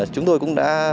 chúng tôi cũng đã